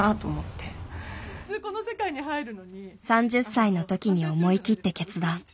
３０歳の時に思い切って決断。